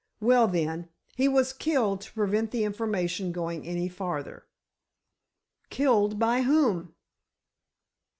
Well, then—he was killed to prevent the information going any farther." "Killed by whom?"